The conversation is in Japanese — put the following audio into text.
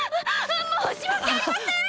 申し訳ありません！